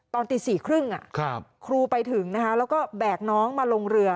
ตอนตี๔๓๐ครูไปถึงนะคะแล้วก็แบกน้องมาลงเรือ